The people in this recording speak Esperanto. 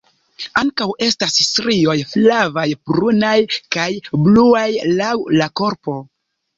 Ankaŭ estas strioj flavaj, brunaj kaj bluaj laŭ la korpo.